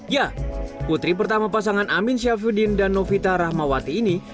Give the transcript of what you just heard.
ya putri pertama pasangan amin syafuddin dan novita rahmawati ini